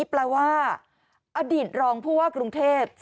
แปลว่าอดีตรองผู้ว่ากรุงเทพ